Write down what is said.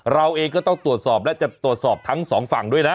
เราเองก็ต้องตรวจสอบและจะตรวจสอบทั้งสองฝั่งด้วยนะ